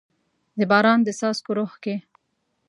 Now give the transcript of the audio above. د باران د څاڅکو روح کې